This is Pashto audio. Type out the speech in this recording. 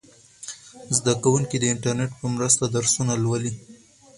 زده کوونکي د انټرنیټ په مرسته درسونه لولي.